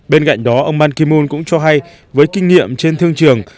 bên cạnh đó ông ban ki moon cũng cho hay với kinh nghiệm trên thương trường